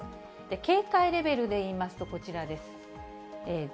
警戒レベルでいいますと、こちらです。